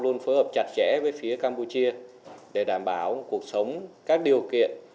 luôn phối hợp chặt chẽ với phía campuchia để đảm bảo cuộc sống các điều kiện